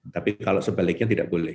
tapi kalau sebaliknya tidak boleh